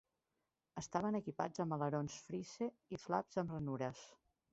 Estaven equipats amb alerons Frise i flaps amb ranures.